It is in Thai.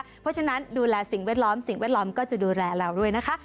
เพราะฉะนั้นดูแลสิ่งแวดล้อมสิ่งแวดล้อมก็จะดูแลเราด้วยนะคะ